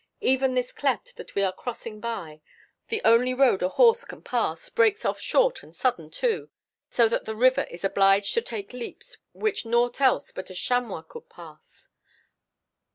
Even this cleft that we are crossing by, the only road a horse can pass, breaks off short and sudden too, so that the river is obliged to take leaps which nought else but a chamois could compass.